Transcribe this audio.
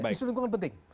isu lingkungan penting